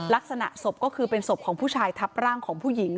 ลักษณะศพก็คือเป็นศพของผู้ชายทับร่างของผู้หญิง